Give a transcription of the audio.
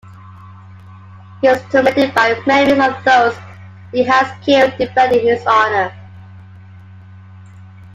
He is tormented by memories of those he has killed defending his honor.